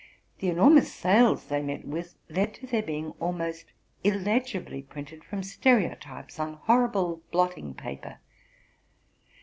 The enor mous sales they met with led to their being almost illegibly printed from stereotypes on horrible blotting paper.